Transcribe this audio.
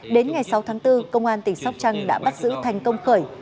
đến ngày sáu tháng bốn công an tp đắc lắc đã bắt giữ thành công khởi